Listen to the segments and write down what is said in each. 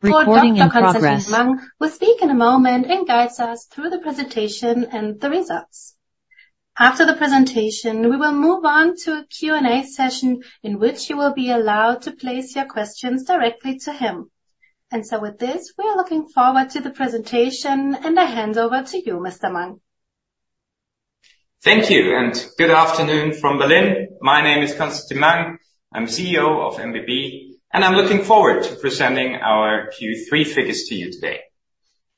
Recording in progress. Will speak in a moment and guides us through the presentation and the results. After the presentation, we will move on to a Q&A session, in which you will be allowed to place your questions directly to him. And so with this, we are looking forward to the presentation, and I hand over to you, Mr. Mang. Thank you, and good afternoon from Berlin. My name is Constantin Mang. I'm CEO of MBB, and I'm looking forward to presenting our Q3 figures to you today.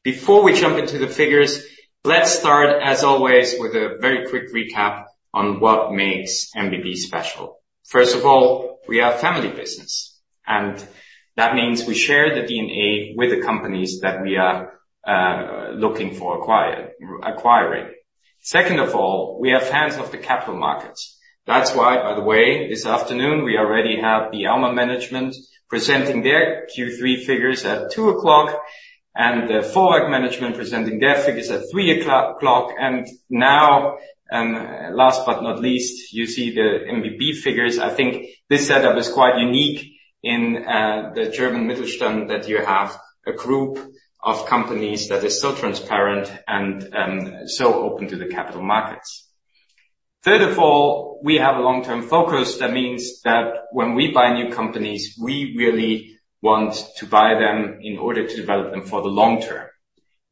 Before we jump into the figures, let's start, as always, with a very quick recap on what makes MBB special. First of all, we are a family business, and that means we share the DNA with the companies that we are looking for acquiring. Second of all, we are fans of the capital markets. That's why, by the way, this afternoon, we already have the Aumann management presenting their Q3 figures at 2:00 P.M., and the Vorwerk management presenting their figures at 3:00 P.M. Now, last but not least, you see the MBB figures. I think this setup is quite unique in the German Mittelstand, that you have a group of companies that is so transparent and so open to the capital markets. Third of all, we have a long-term focus. That means that when we buy new companies, we really want to buy them in order to develop them for the long term.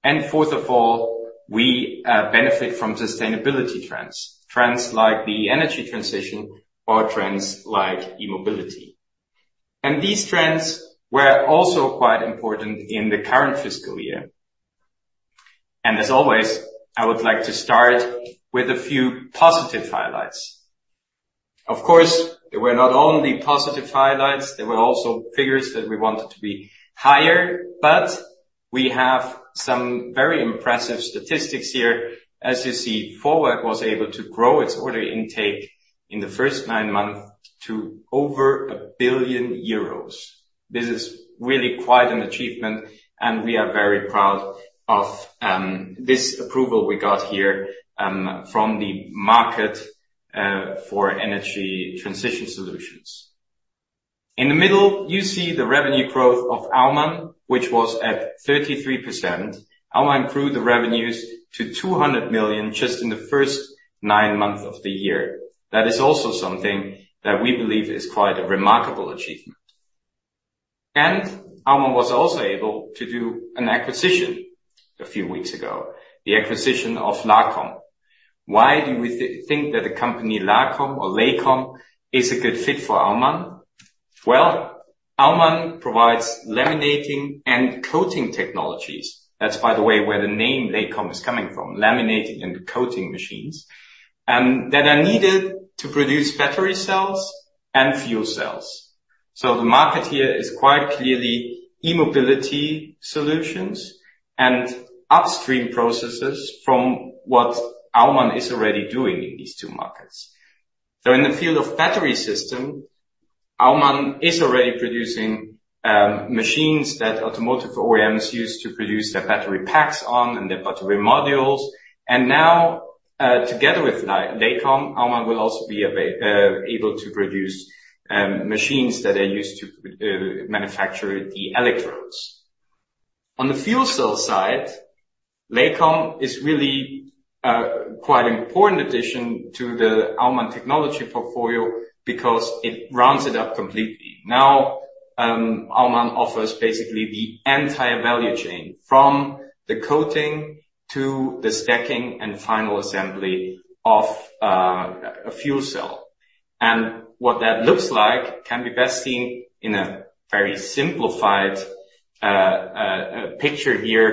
And fourth of all, we benefit from sustainability trends. Trends like the energy transition or trends like e-mobility. And these trends were also quite important in the current fiscal year. And as always, I would like to start with a few positive highlights. Of course, there were not only positive highlights, there were also figures that we wanted to be higher, but we have some very impressive statistics here. As you see, Vorwerk was able to grow its order intake in the first nine months to over 1 billion euros. This is really quite an achievement, and we are very proud of this approval we got here from the market for energy transition solutions. In the middle, you see the revenue growth of Aumann, which was at 33%. Aumann improved the revenues to 200 million just in the first nine months of the year. That is also something that we believe is quite a remarkable achievement. Aumann was also able to do an acquisition a few weeks ago, the acquisition of LACOM. Why do we think that the company LACOM is a good fit for Aumann? Well, Aumann provides laminating and coating technologies. That's by the way, where the name LACOM is coming from, laminating and coating machines that are needed to produce battery cells and fuel cells. So the market here is quite clearly e-mobility solutions and upstream processes from what Aumann is already doing in these two markets. So in the field of battery system, Aumann is already producing machines that automotive OEMs use to produce their battery packs on and their battery modules. And now, together with LACOM, Aumann will also be available to produce machines that are used to manufacture the electrodes. On the fuel cell side, LACOM is really quite an important addition to the Aumann technology portfolio because it rounds it up completely. Now, Aumann offers basically the entire value chain, from the coating to the stacking and final assembly of a fuel cell. What that looks like can be best seen in a very simplified picture here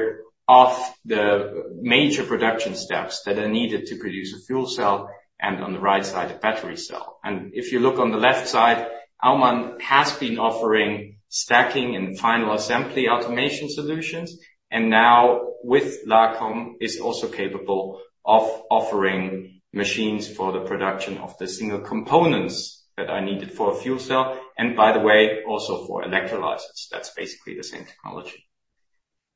of the major production steps that are needed to produce a fuel cell, and on the right side, a battery cell. If you look on the left side, Aumann has been offering stacking and final assembly automation solutions, and now with LACOM, is also capable of offering machines for the production of the single components that are needed for a fuel cell, and by the way, also for electrolysis. That's basically the same technology.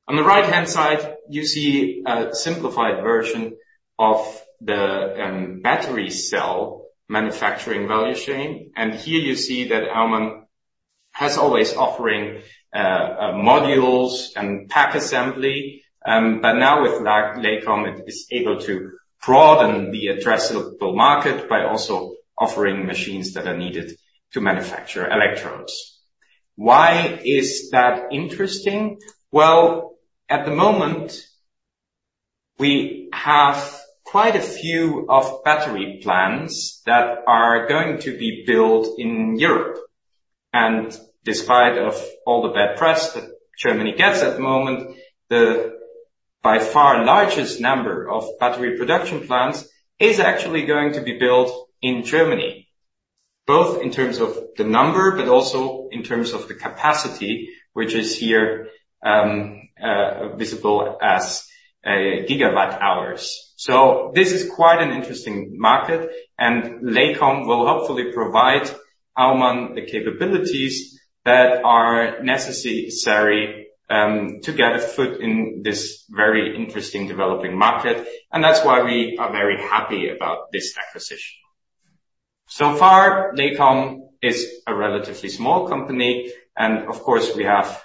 On the right-hand side, you see a simplified version of the battery cell manufacturing value chain, and here you see that Aumann has always offering modules and pack assembly. But now with LACOM, it is able to broaden the addressable market by also offering machines that are needed to manufacture electrodes. Why is that interesting? Well, at the moment, we have quite a few battery plants that are going to be built in Europe. And despite of all the bad press that Germany gets at the moment, the by far largest number of battery production plants is actually going to be built in Germany, both in terms of the number, but also in terms of the capacity, which is here, visible as gigawatt hours. So this is quite an interesting market, and LACOM will hopefully provide Aumann the capabilities that are necessary to get a foot in this very interesting developing market, and that's why we are very happy about this acquisition. So far, LACOM is a relatively small company, and of course, we have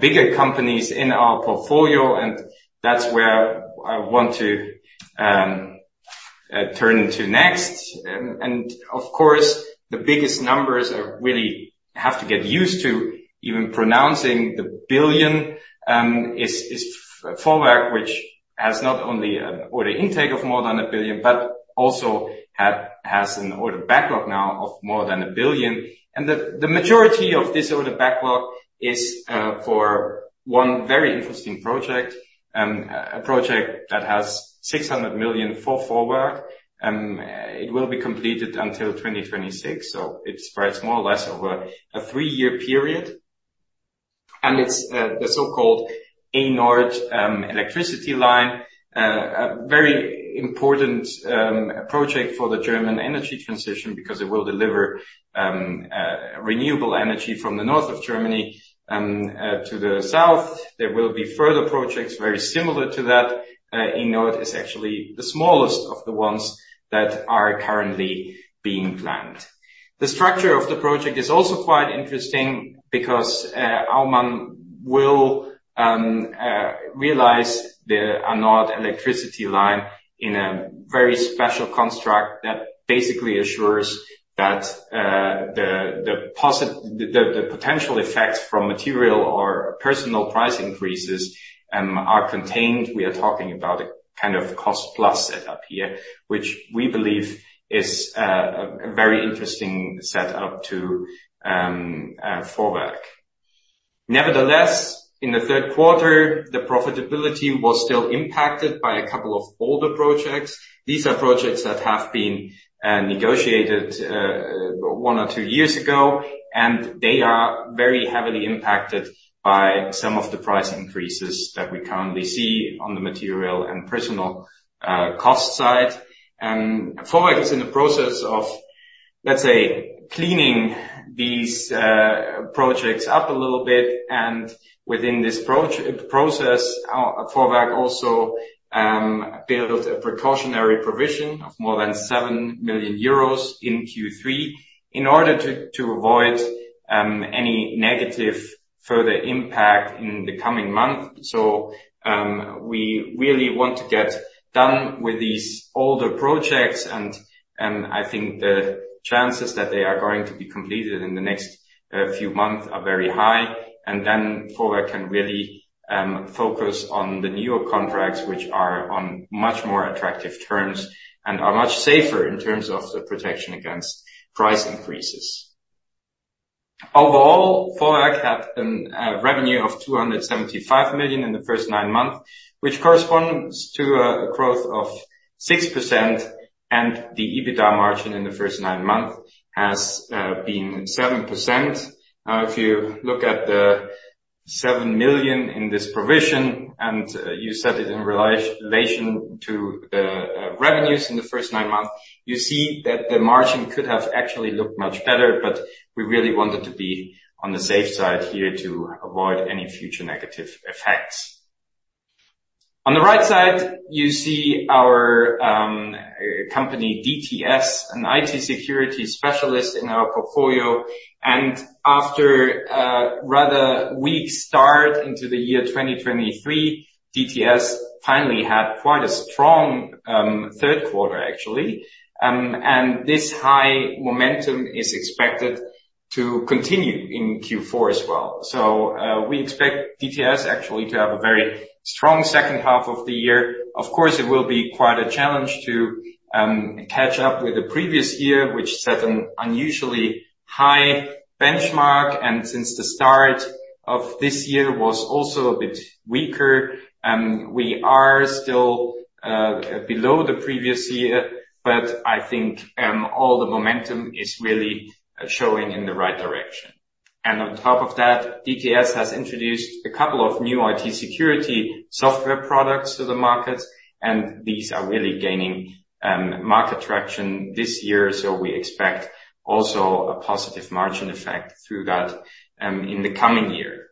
bigger companies in our portfolio, and that's where I want to turn to next. And of course, the biggest numbers I really have to get used to, even pronouncing the billion, is Vorwerk, which has not only order intake of more than 1 billion, but also has an order backlog now of more than 1 billion. And the majority of this order backlog is for one very interesting project, a project that has 600 million for Vorwerk, it will be completed until 2026, so it spreads more or less over a 3-year period. And it's the so-called A-Nord electricity line, a very important project for the German energy transition because it will deliver renewable energy from the north of Germany to the south. There will be further projects very similar to that. A-Nord is actually the smallest of the ones that are currently being planned. The structure of the project is also quite interesting because Aumann will realize the A-Nord electricity line in a very special construct that basically assures that the potential effects from material or personnel price increases are contained. We are talking about a kind of cost-plus setup here, which we believe is a very interesting setup for Vorwerk. Nevertheless, in the third quarter, the profitability was still impacted by a couple of older projects. These are projects that have been negotiated one or two years ago, and they are very heavily impacted by some of the price increases that we currently see on the material and personnel cost side. Vorwerk is in the process of, let's say, cleaning these projects up a little bit, and within this process, Vorwerk also built a precautionary provision of more than 7 million euros in Q3 in order to avoid any negative further impact in the coming month. So, we really want to get done with these older projects, and I think the chances that they are going to be completed in the next few months are very high. Then Vorwerk can really focus on the newer contracts, which are on much more attractive terms and are much safer in terms of the protection against price increases. Overall, Vorwerk had a revenue of 275 million in the first nine months, which corresponds to a growth of 6%, and the EBITDA margin in the first nine months has been 7%. Now, if you look at the 7 million in this provision, and you set it in relation to the revenues in the first nine months, you see that the margin could have actually looked much better, but we really wanted to be on the safe side here to avoid any future negative effects. On the right side, you see our company, DTS, an IT security specialist in our portfolio. And after a rather weak start into the year 2023, DTS finally had quite a strong third quarter, actually. This high momentum is expected to continue in Q4 as well. So, we expect DTS actually to have a very strong second half of the year. Of course, it will be quite a challenge to catch up with the previous year, which set an unusually high benchmark, and since the start of this year was also a bit weaker, we are still below the previous year, but I think all the momentum is really showing in the right direction. And on top of that, DTS has introduced a couple of new IT security software products to the market, and these are really gaining market traction this year, so we expect also a positive margin effect through that in the coming year.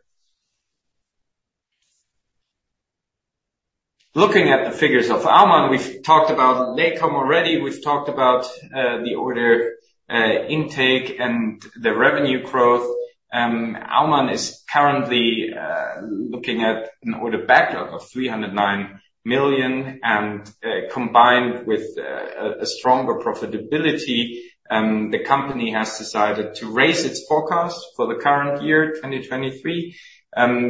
Looking at the figures of Aumann, we've talked about LACOM already. We've talked about the order intake and the revenue growth. Aumann is currently looking at an order backlog of 309 million, and combined with a stronger profitability, the company has decided to raise its forecast for the current year, 2023.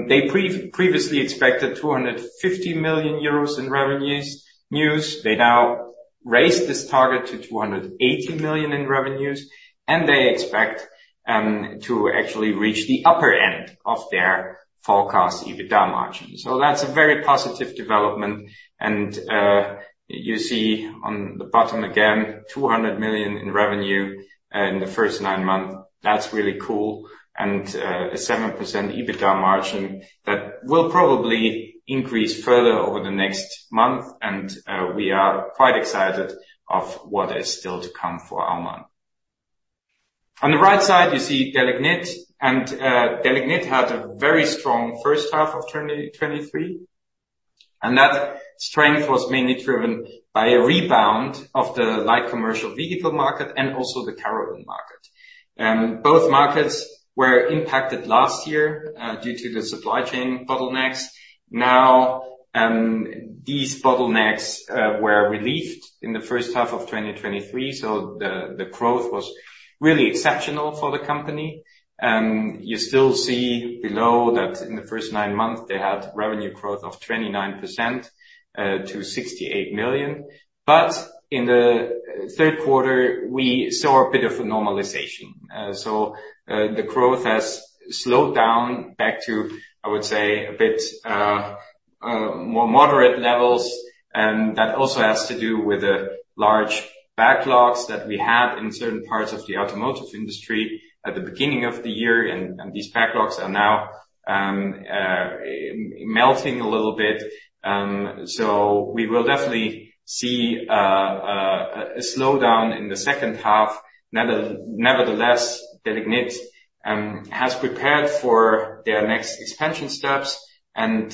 They previously expected 250 million euros in revenues now. They now raised this target to 280 million in revenues, and they expect to actually reach the upper end of their forecast EBITDA margin. So that's a very positive development, and you see on the bottom, again, 200 million in revenue in the first nine months. That's really cool. A 7% EBITDA margin, that will probably increase further over the next month, and we are quite excited of what is still to come for Aumann. On the right side, you see Delignit, and Delignit had a very strong first half of 2023, and that strength was mainly driven by a rebound of the light commercial vehicle market and also the caravan market. Both markets were impacted last year due to the supply chain bottlenecks. Now, these bottlenecks were relieved in the first half of 2023, so the growth was really exceptional for the company. You still see below that in the first nine months, they had revenue growth of 29% to 68 million. But in the third quarter, we saw a bit of a normalization. So, the growth has slowed down back to, I would say, a bit more moderate levels, and that also has to do with the large backlogs that we had in certain parts of the automotive industry at the beginning of the year. And these backlogs are now melting a little bit. So we will definitely see a slowdown in the second half. Nevertheless, Delignit has prepared for their next expansion steps and,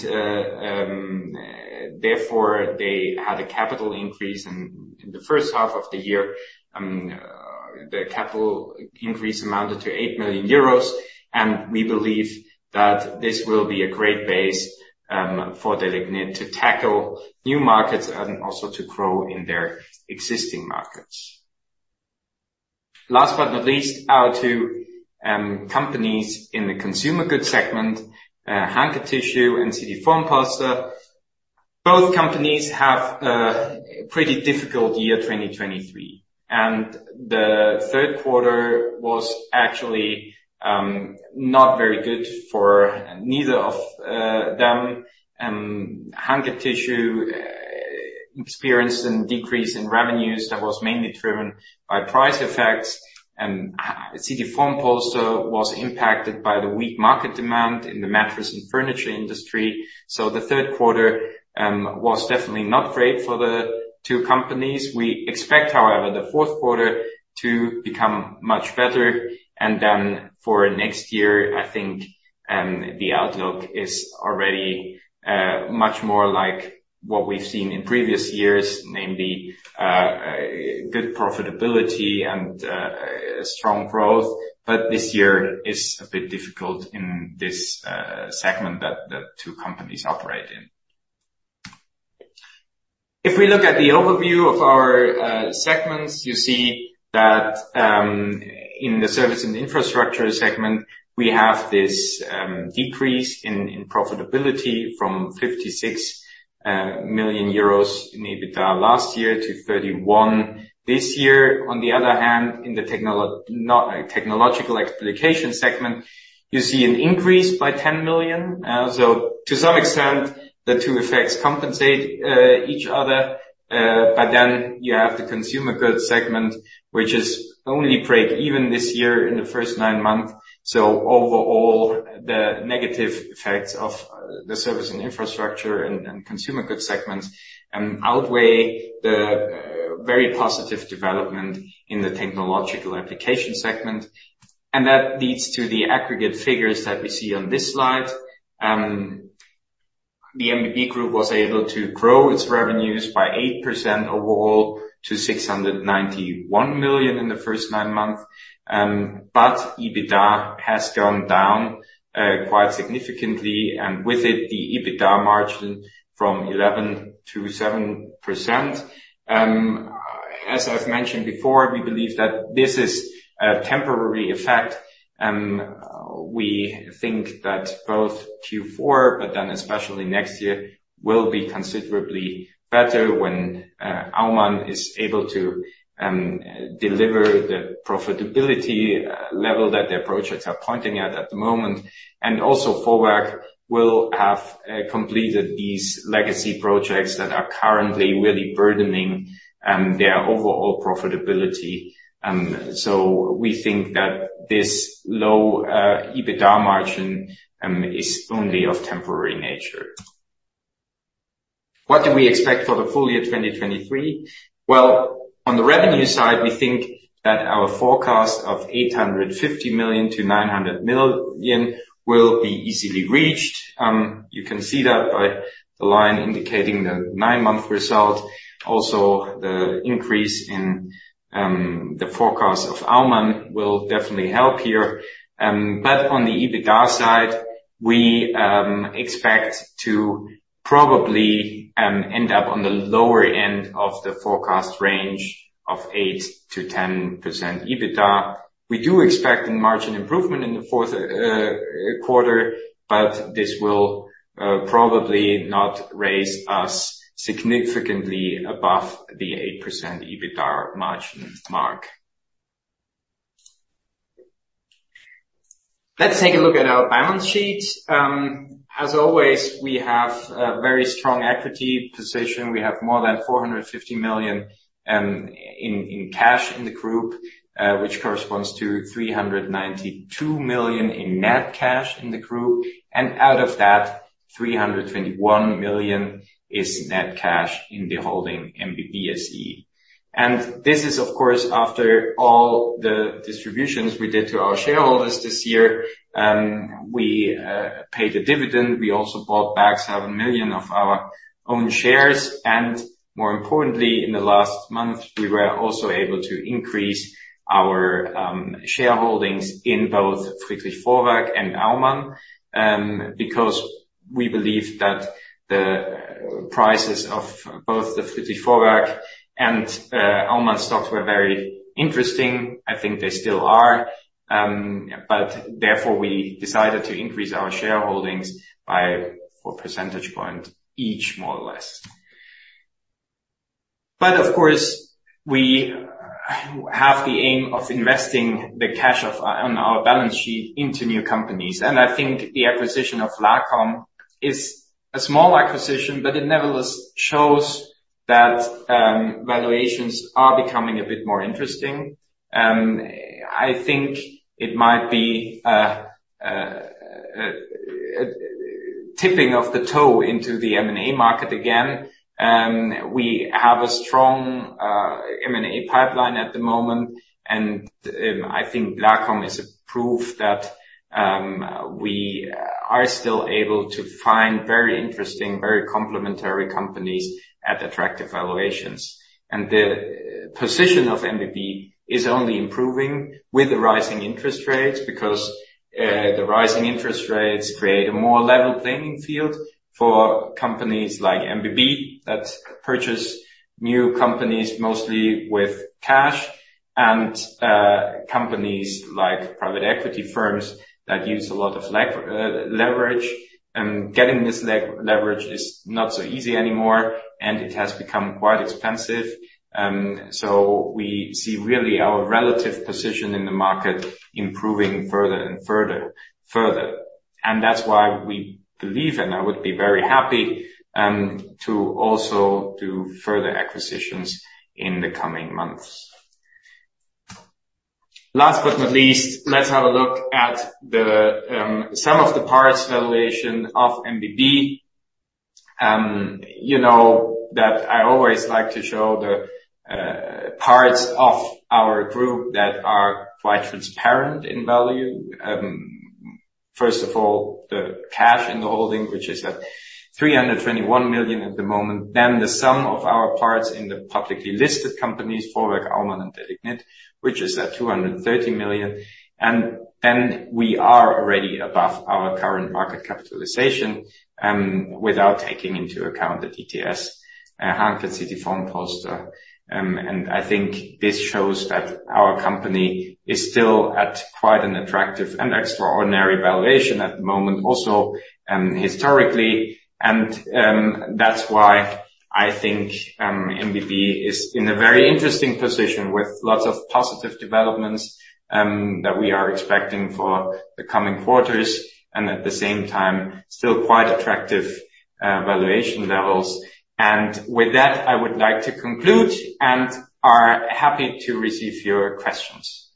therefore, they had a capital increase in the first half of the year. The capital increase amounted to 8 million euros, and we believe that this will be a great base for Delignit to tackle new markets and also to grow in their existing markets. Last but not least, our two companies in the consumer goods segment, Hanke Tissue and CT Formpolster. Both companies have had a pretty difficult year, 2023, and the third quarter was actually not very good for neither of them. Hanke Tissue experienced a decrease in revenues that was mainly driven by price effects, and CT Formpolster was impacted by the weak market demand in the mattress and furniture industry. So the third quarter was definitely not great for the two companies. We expect, however, the fourth quarter to become much better, and then for next year, I think the outlook is already much more like what we've seen in previous years, namely good profitability and strong growth. But this year is a bit difficult in this segment that the two companies operate in. If we look at the overview of our segments, you see that in the service and infrastructure segment, we have this decrease in profitability from 56 million euros in EBITDA last year to 31 million this year. On the other hand, in the technological application segment, you see an increase by 10 million. So to some extent, the two effects compensate each other. But then you have the consumer goods segment, which is only break even this year in the first nine months. So overall, the negative effects of the service and infrastructure and consumer goods segments outweigh the very positive development in the technological application segment, and that leads to the aggregate figures that we see on this slide. The MBB group was able to grow its revenues by 8% overall to 691 million in the first nine months. But EBITDA has gone down quite significantly, and with it, the EBITDA margin from 11%-7%. As I've mentioned before, we believe that this is a temporary effect. We think that both Q4, but then especially next year, will be considerably better when Aumann is able to deliver the profitability level that their projects are pointing at, at the moment. And also, Vorwerk will have completed these legacy projects that are currently really burdening their overall profitability. So we think that this low EBITDA margin is only of temporary nature. What do we expect for the full year, 2023? Well, on the revenue side, we think that our forecast of 850 million-900 million will be easily reached. You can see that by the line indicating the nine-month result. Also, the increase in the forecast of Aumann will definitely help here. But on the EBITDA side, we expect to probably end up on the lower end of the forecast range of 8%-10% EBITDA. We do expect a margin improvement in the fourth quarter, but this will probably not raise us significantly above the 8% EBITDA margin mark. Let's take a look at our balance sheet. As always, we have a very strong equity position. We have more than 450 million in cash in the group, which corresponds to 392 million in net cash in the group, and out of that 321 million is net cash in the holding MBB SE. This is, of course, after all the distributions we did to our shareholders this year. We paid a dividend. We also bought back 7 million of our own shares, and more importantly, in the last month, we were also able to increase our shareholdings in both Friedrich Vorwerk and Aumann, because we believe that the prices of both the Friedrich Vorwerk and Aumann stocks were very interesting. I think they still are. Therefore, we decided to increase our shareholdings by 4 percentage point each, more or less. But of course, we have the aim of investing the cash of, on our balance sheet into new companies. And I think the acquisition of LACOM is a small acquisition, but it nevertheless shows that, valuations are becoming a bit more interesting. I think it might be, tipping of the toe into the M&A market again. We have a strong, M&A pipeline at the moment, and, I think LACOM is a proof that, we are still able to find very interesting, very complementary companies at attractive valuations. And the position of MBB is only improving with the rising interest rates, because, the rising interest rates create a more level playing field for companies like MBB, that purchase new companies mostly with cash, and, companies like private equity firms that use a lot of leverage. Getting this leverage is not so easy anymore, and it has become quite expensive. So we see really our relative position in the market improving further and further, further. And that's why we believe, and I would be very happy to also do further acquisitions in the coming months. Last but not least, let's have a look at the sum of the parts valuation of MBB. You know that I always like to show the parts of our group that are quite transparent in value. First of all, the cash in the holding, which is at 321 million at the moment, then the sum of our parts in the publicly listed companies, Vorwerk, Aumann, and Delignit, which is at 230 million. Then we are already above our current market capitalization, without taking into account the DTS, Hanke, CT Formpolster. And I think this shows that our company is still at quite an attractive and extraordinary valuation at the moment, also, historically. And, that's why I think, MBB is in a very interesting position with lots of positive developments, that we are expecting for the coming quarters, and at the same time, still quite attractive, valuation levels. And with that, I would like to conclude and are happy to receive your questions.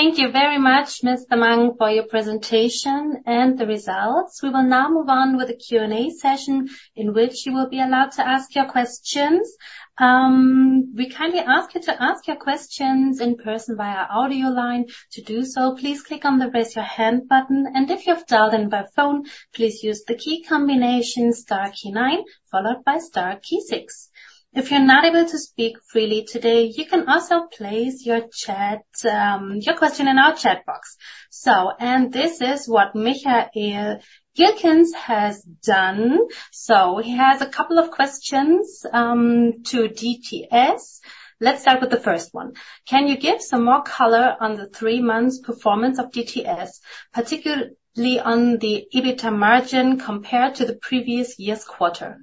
Thank you very much, Mr. Mang, for your presentation and the results. We will now move on with the Q&A session, in which you will be allowed to ask your questions. We kindly ask you to ask your questions in person via audio line. To do so, please click on the Raise Your Hand button, and if you have dialed in by phone, please use the key combination star key nine, followed by star key six. If you're not able to speak freely today, you can also place your chat, your question in our chat box. So, and this is what Michael Wilkens has done. So he has a couple of questions to DTS. Let's start with the first one. Can you give some more color on the three months performance of DTS, particularly on the EBITDA margin compared to the previous year's quarter?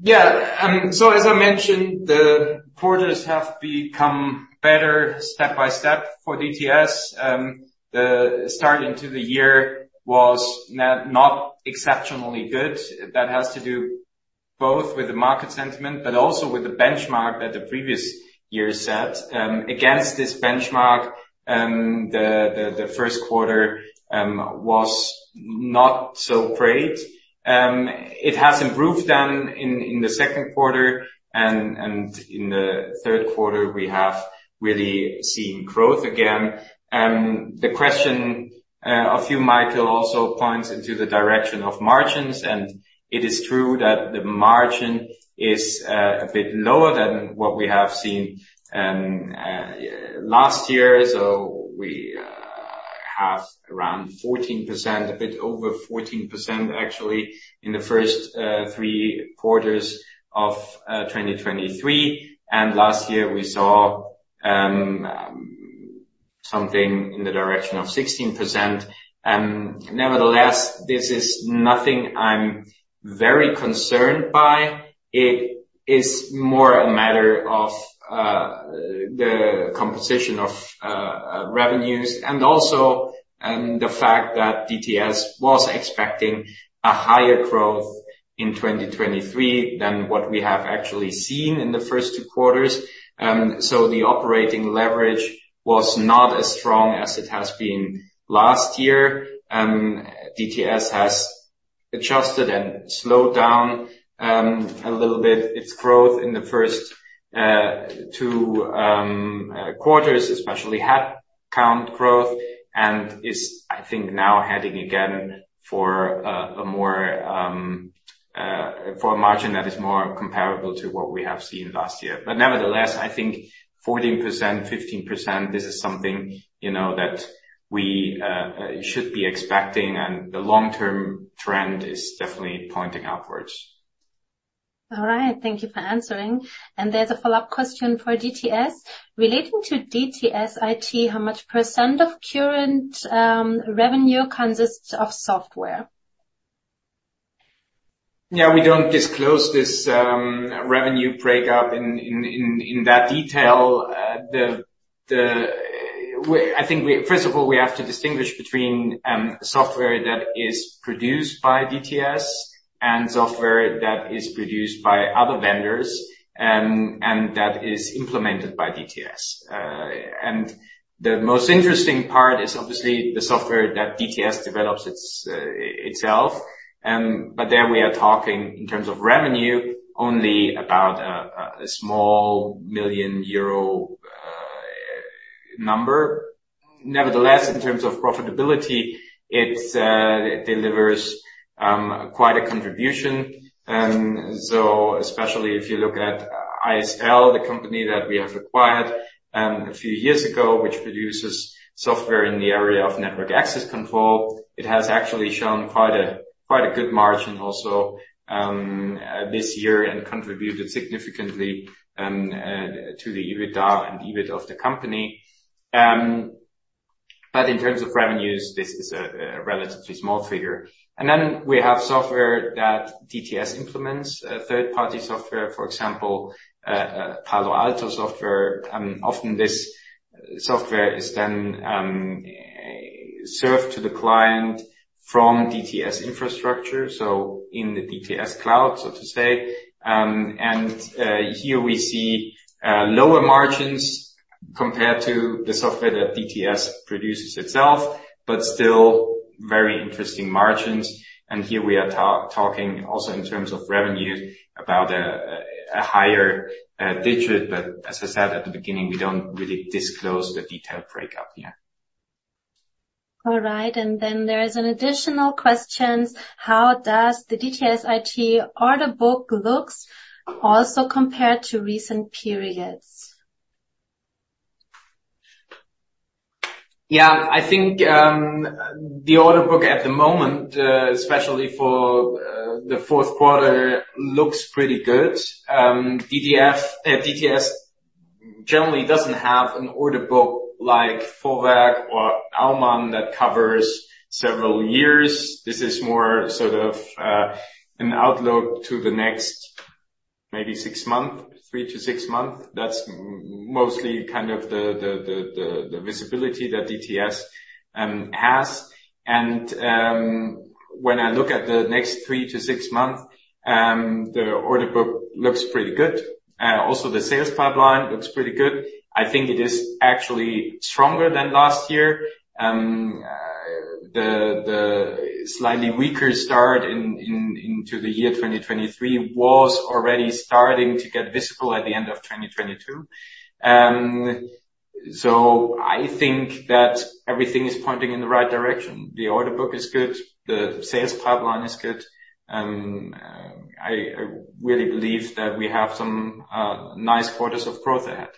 Yeah. So as I mentioned, the quarters have become better step by step for DTS. The start into the year was not exceptionally good. That has to do both with the market sentiment, but also with the benchmark that the previous year set. Against this benchmark, the first quarter was not so great. It has improved then in the second quarter and in the third quarter, we have really seen growth again. The question of you, Michael, also points into the direction of margins, and it is true that the margin is a bit lower than what we have seen last year. So we have around 14%, a bit over 14%, actually, in the first three quarters of 2023. Last year we saw something in the direction of 16%. Nevertheless, this is nothing I'm very concerned by. It is more a matter of the composition of revenues, and also the fact that DTS was expecting a higher growth in 2023 than what we have actually seen in the first two quarters. So the operating leverage was not as strong as it has been last year. DTS has adjusted and slowed down a little bit its growth in the first two quarters, especially head count growth, and is, I think, now heading again for a margin that is more comparable to what we have seen last year. Nevertheless, I think 14%, 15%, this is something, you know, that we should be expecting, and the long-term trend is definitely pointing upwards. All right, thank you for answering. There's a follow-up question for DTS: Relating to DTS IT, how much percent of current revenue consists of software? Yeah, we don't disclose this revenue breakup in that detail. The I think we First of all, we have to distinguish between software that is produced by DTS and software that is produced by other vendors and that is implemented by DTS. And the most interesting part is obviously the software that DTS develops itself. But there we are talking in terms of revenue, only about a small million EUR number. Nevertheless, in terms of profitability, it delivers quite a contribution. So especially if you look at ISL, the company that we have acquired a few years ago, which produces software in the area of network access control, it has actually shown quite a quite a good margin also this year and contributed significantly to the EBITDA and EBIT of the company. But in terms of revenues, this is a relatively small figure. And then we have software that DTS implements, a third-party software, for example, Palo Alto software. Often this software is then served to the client from DTS infrastructure, so in the DTS cloud, so to say. And here we see lower margins compared to the software that DTS produces itself, but still very interesting margins. And here we are talking also in terms of revenues about a higher digit. But as I said at the beginning, we don't really disclose the detailed breakup here. All right, then there is an additional question: How does the DTS IT order book look also compared to recent periods? Yeah, I think the order book at the moment, especially for the fourth quarter, looks pretty good. DTS generally doesn't have an order book like Vorwerk or Aumann that covers several years. This is more sort of an outlook to the next maybe six months, three to six months. That's mostly kind of the visibility that DTS has. And when I look at the next three to six months, the order book looks pretty good. Also, the sales pipeline looks pretty good. I think it is actually stronger than last year. The slightly weaker start into the year 2023 was already starting to get visible at the end of 2022. So I think that everything is pointing in the right direction. The order book is good, the sales pipeline is good, and I really believe that we have some nice quarters of growth ahead.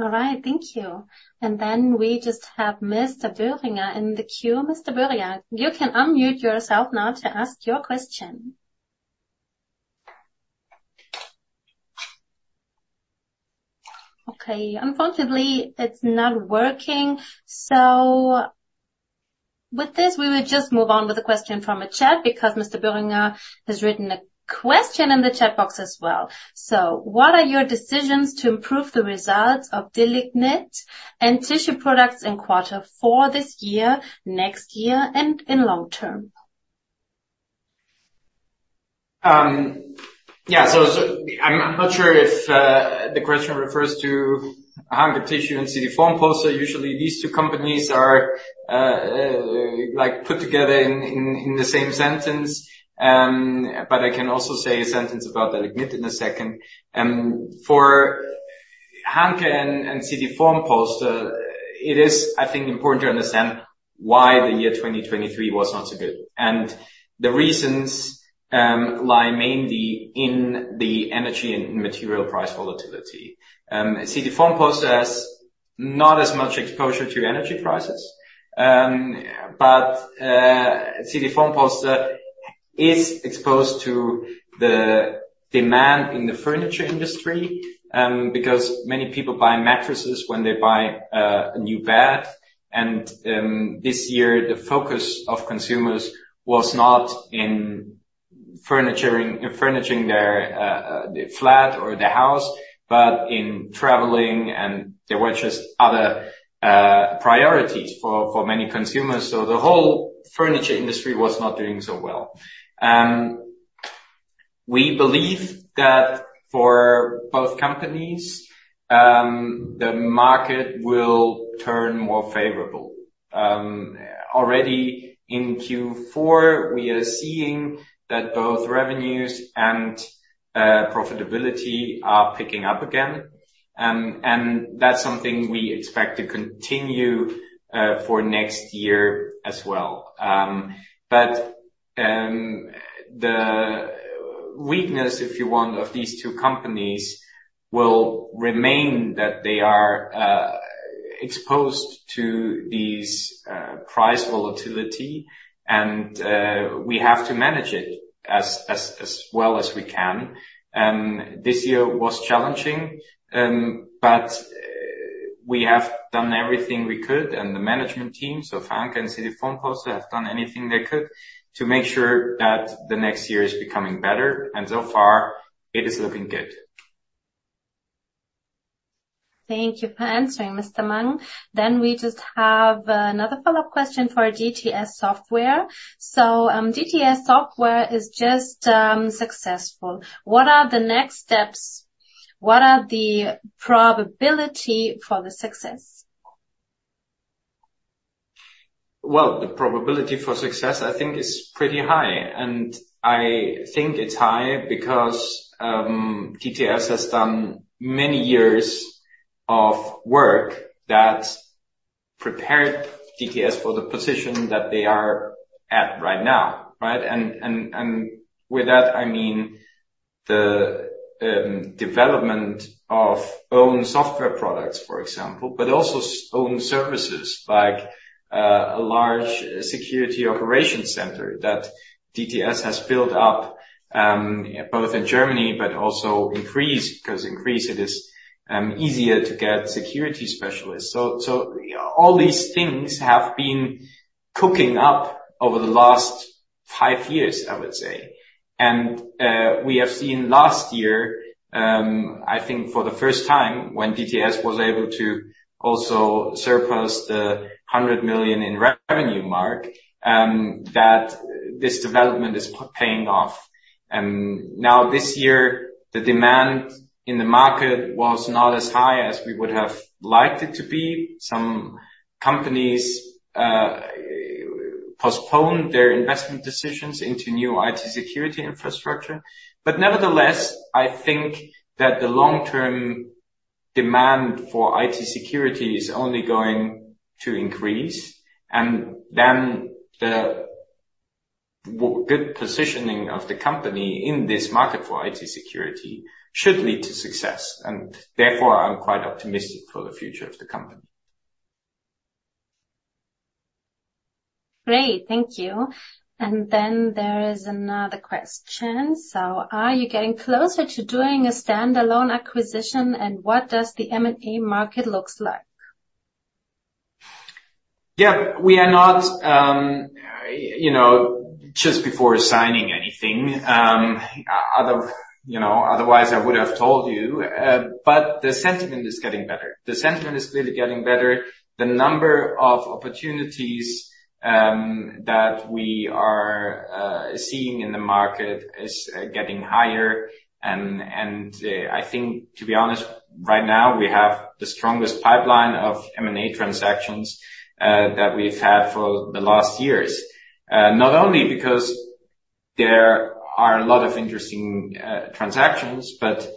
All right, thank you. And then we just have Mr. Boehringer in the queue. Mr. Boehringer, you can unmute yourself now to ask your question. Okay, unfortunately, it's not working. So with this, we will just move on with the question from a chat, because Mr. Boehringer has written a question in the chat box as well. So what are your decisions to improve the results of Delignit and Tissue Products in quarter four this year, next year, and in long term? Yeah, so I'm not sure if the question refers to Hanke Tissue and CT Formpolster. Usually, these two companies are like put together in the same sentence. But I can also say a sentence about Delignit in a second. For Hanke and CT Formpolster, it is, I think, important to understand why the year 2023 was not so good. The reasons lie mainly in the energy and material price volatility. CT Formpolster has not as much exposure to energy prices. But CT Formpolster is exposed to the demand in the furniture industry, because many people buy mattresses when they buy a new bed. This year, the focus of consumers was not in furnishing their flat or their house, but in traveling, and there were just other priorities for many consumers. The whole furniture industry was not doing so well. We believe that for both companies, the market will turn more favorable. Already in Q4, we are seeing that both revenues and profitability are picking up again. And that's something we expect to continue for next year as well. But the weakness, if you want, of these two companies, will remain that they are exposed to these price volatility, and we have to manage it as well as we can. This year was challenging, but we have done everything we could, and the management team, so Hanke and CT Formpolster have done anything they could to make sure that the next year is becoming better, and so far it is looking good. Thank you for answering, Mr. Mang. Then we just have another follow-up question for DTS Software. So, DTS Software is just successful. What are the next steps? What are the probability for the success? Well, the probability for success, I think, is pretty high, and I think it's high because DTS has done many years of work that prepared DTS for the position that they are at right now, right? And with that, I mean, the development of own software products, for example, but also own services, like a large security operations center that DTS has built up both in Germany, but also increased, 'cause increased it is easier to get security specialists. So all these things have been cooking up over the last five years, I would say. And we have seen last year, I think for the first time, when DTS was able to also surpass the 100 million revenue mark, that this development is paying off. Now, this year, the demand in the market was not as high as we would have liked it to be. Some companies postponed their investment decisions into new IT security infrastructure. But nevertheless, I think that the long-term demand for IT security is only going to increase, and then the good positioning of the company in this market for IT security should lead to success, and therefore, I'm quite optimistic for the future of the company. Great, thank you. And then there is another question. So are you getting closer to doing a standalone acquisition, and what does the M&A market looks like? Yeah, we are not, you know, just before signing anything, you know, otherwise, I would have told you. But the sentiment is getting better. The sentiment is really getting better. The number of opportunities that we are seeing in the market is getting higher. And, and, I think to be honest, right now, we have the strongest pipeline of M&A transactions that we've had for the last years. Not only because there are a lot of interesting transactions, but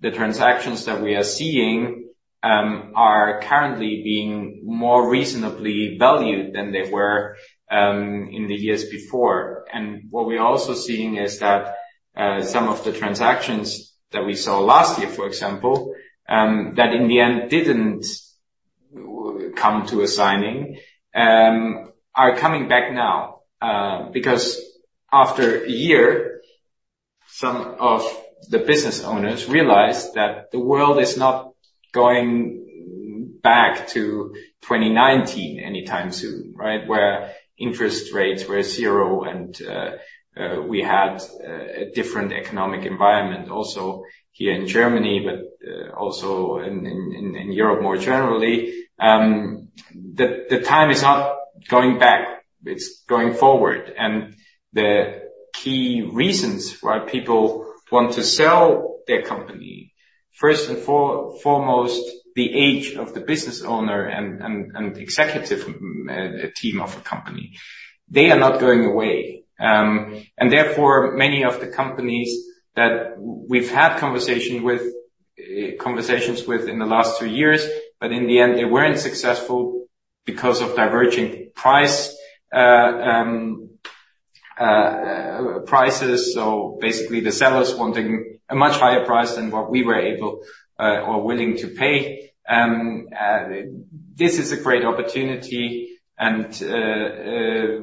the transactions that we are seeing are currently being more reasonably valued than they were in the years before. And what we're also seeing is that some of the transactions that we saw last year, for example, that in the end didn't come to a signing are coming back now. Because after a year, some of the business owners realized that the world is not going back to 2019 anytime soon, right? Where interest rates were 0 and we had a different economic environment also here in Germany, but also in Europe, more generally. The time is not going back, it's going forward. And the key reasons why people want to sell their company, first and foremost, the age of the business owner and executive team of a company. They are not going away. And therefore, many of the companies that we've had conversations with in the last 2 years, but in the end, they weren't successful because of diverging prices. So basically, the sellers wanting a much higher price than what we were able or willing to pay. This is a great opportunity, and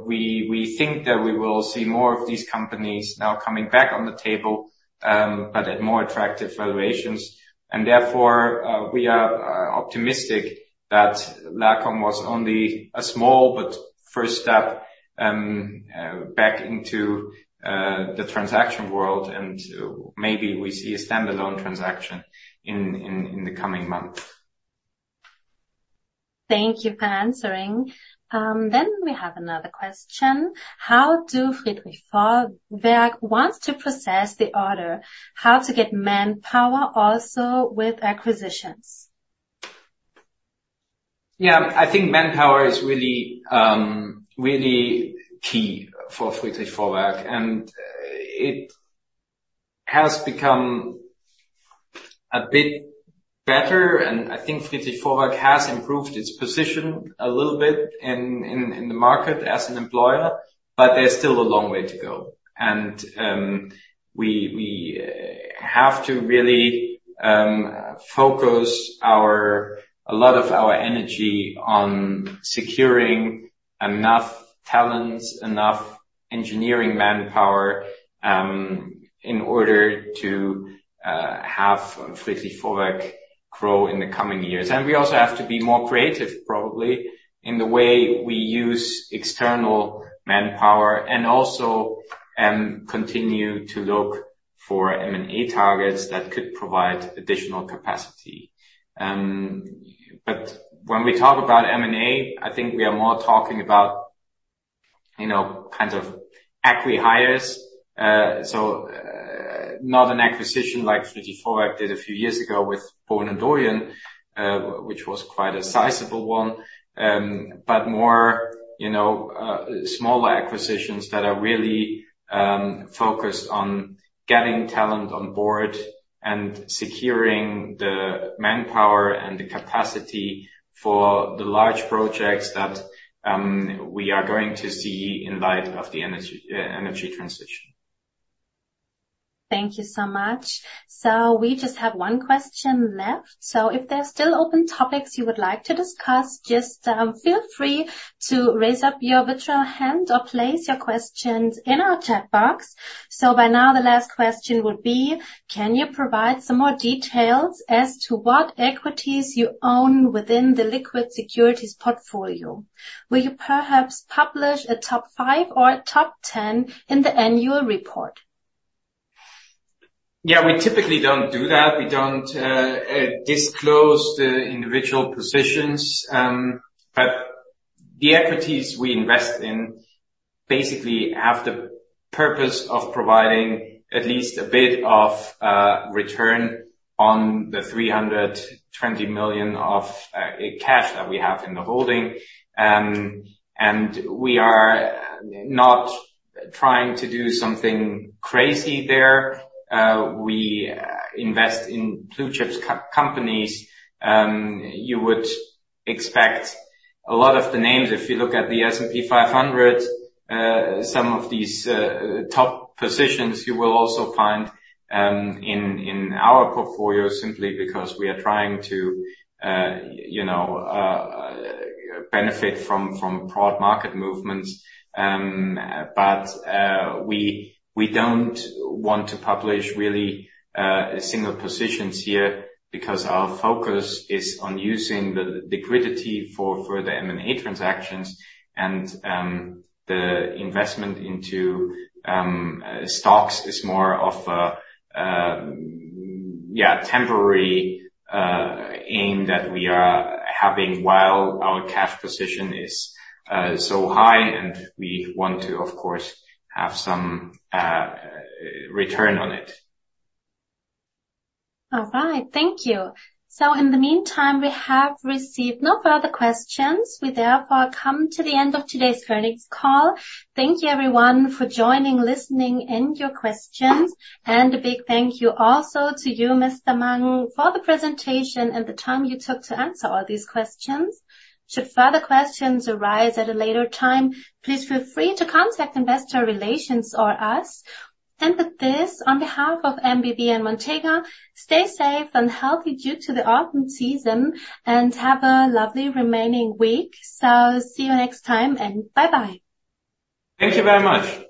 we think that we will see more of these companies now coming back on the table, but at more attractive valuations. And therefore, we are optimistic that LACOM was only a small but first step back into the transaction world, and maybe we see a standalone transaction in the coming months.... Thank you for answering. Then we have another question: How do Friedrich Vorwerk wants to process the order? How to get manpower also with acquisitions? Yeah, I think manpower is really, really key for Friedrich Vorwerk, and it has become a bit better, and I think Friedrich Vorwerk has improved its position a little bit in the market as an employer, but there's still a long way to go. We have to really focus a lot of our energy on securing enough talents, enough engineering manpower, in order to have Friedrich Vorwerk grow in the coming years. And we also have to be more creative, probably, in the way we use external manpower and also continue to look for M&A targets that could provide additional capacity. But when we talk about M&A, I think we are more talking about, you know, kinds of acqui-hires. So, not an acquisition like Friedrich Vorwerk did a few years ago with Bohlen & Doyen, which was quite a sizable one. But more, you know, smaller acquisitions that are really focused on getting talent on board and securing the manpower and the capacity for the large projects that we are going to see in light of the energy transition. Thank you so much. So we just have one question left. So if there are still open topics you would like to discuss, just feel free to raise up your virtual hand or place your questions in our chat box. So by now, the last question would be: Can you provide some more details as to what equities you own within the liquid securities portfolio? Will you perhaps publish a top 5 or a top 10 in the annual report? Yeah, we typically don't do that. We don't disclose the individual positions, but the equities we invest in basically have the purpose of providing at least a bit of return on the 320 million of cash that we have in the holding. And we are not trying to do something crazy there. We invest in blue-chip companies. You would expect a lot of the names, if you look at the S&P 500, some of these top positions, you will also find in our portfolio, simply because we are trying to you know benefit from broad market movements. But we don't want to publish really single positions here because our focus is on using the liquidity for the M&A transactions. And the investment into stocks is more of a, yeah, temporary aim that we are having while our cash position is so high, and we want to, of course, have some return on it. All right, thank you. In the meantime, we have received no further questions. We therefore come to the end of today's earnings call. Thank you, everyone, for joining, listening, and your questions. A big thank you also to you, Mr. Mang, for the presentation and the time you took to answer all these questions. Should further questions arise at a later time, please feel free to contact investor relations or us. With this, on behalf of MBB and Montega, stay safe and healthy due to the autumn season, and have a lovely remaining week. See you next time, and bye-bye. Thank you very much.